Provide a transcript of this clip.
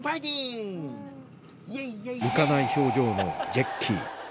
浮かない表情のジェッキー